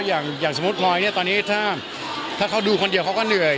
อย่างสมมุติพลอยเนี่ยตอนนี้ถ้าเขาดูคนเดียวเขาก็เหนื่อย